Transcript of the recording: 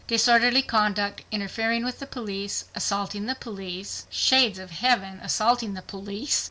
Disorderly conduct, interfering with the police, assaulting the police (Shades of Heaven! assaulting the police!)